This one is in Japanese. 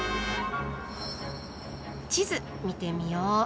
地図見てみよう。